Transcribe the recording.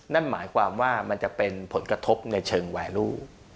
นั่นหมายความว่ามันจะเป็นผลกระทบในเชิงแวลู